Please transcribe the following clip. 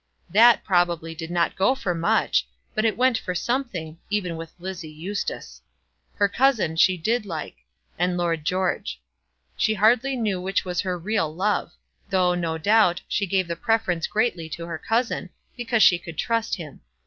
That, probably, did not go for much, but it went for something, even with Lizzie Eustace. Her cousin she did like, and Lord George. She hardly knew which was her real love; though, no doubt, she gave the preference greatly to her cousin, because she could trust him.